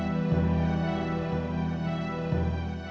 tidak ada bangunan